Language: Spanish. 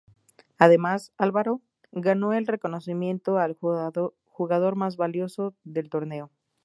Además, Álvaro ganó el reconocimiento al Jugador más valioso del torneo.